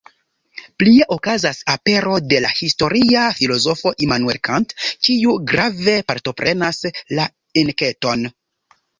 Plie okazas apero de la historia filozofo Immanuel Kant, kiu grave partoprenas la enketon.